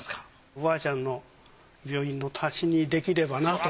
おばあちゃんの病院の足しにできればなと。